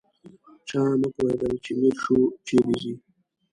چا نه پوهېدل چې میرشو چیرې ځي.